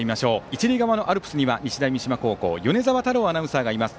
一塁側のアルプスには日大三島の米澤太郎アナウンサーがいます。